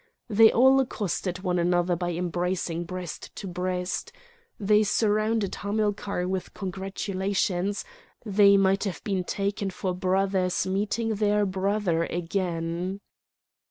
They all accosted one another by embracing breast to breast. They surrounded Hamilcar with congratulations; they might have been taken for brothers meeting their brother again.